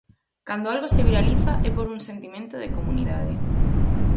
Cando algo se viraliza é por un sentimento de comunidade.